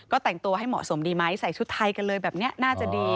ก็แต่งตัวให้เหมาะสมดีไหมใส่ชุดไทยกันเลยแบบนี้น่าจะดี